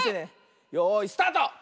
よいスタート！